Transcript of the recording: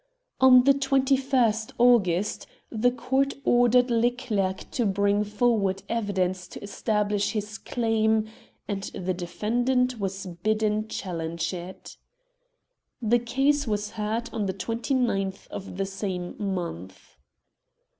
On the 2 1st August the Court ordered Leclerc to bring forward evidence to establish his claim, and the defendant was bidden challenge it. The case was heard on the 29th of the same month.